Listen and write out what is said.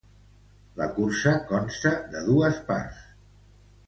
La cursa consta de dos parts.